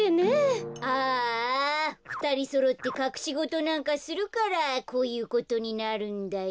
ああふたりそろってかくしごとなんかするからこういうことになるんだよ。